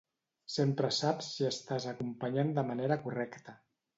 Sempre saps si estàs acompanyant de la manera correcta.